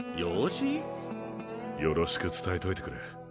よろしく伝えといてくれ。